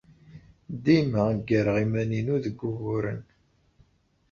Dima ggareɣ iman-inu deg wuguren.